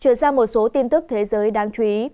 chuyển sang một số tin tức thế giới đáng chú ý